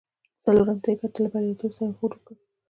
څلورم ټولګي ته له بریالیتوب سره مې هوډ وکړ.